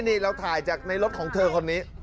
นี่เราถ่ายจากในรถของเธอคนนี้